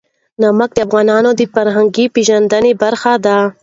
نمک د افغانانو د فرهنګي پیژندنې برخه ده.